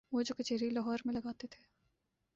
وہ جو کچہری لاہور میں لگاتے تھے۔